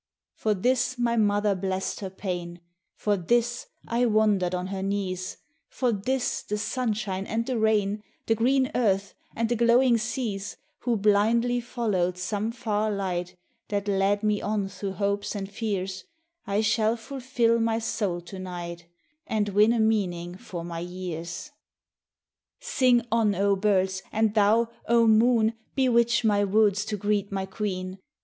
For this my mother blessed her pain, For this I wondered on her knees, For this the sunshine and the rain, The green earth and the glowing seas, Who blindly followed some far light That led me on through hopes and fears, I shall fulfil my soul to night And win a meaning for my years. Sing on, oh birds, and thou, oh moon Bewitch my woods to greet my queen